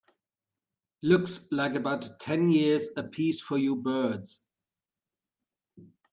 Looks like about ten years a piece for you birds.